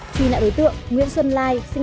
truy nãn đối tượng nguyễn xuân bình